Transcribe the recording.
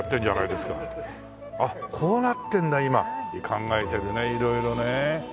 考えてるね色々ね。